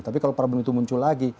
tapi kalau problem itu muncul lagi